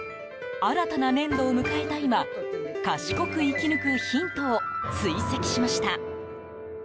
新たな年度を迎えた今賢く生き抜くヒントを追跡しました。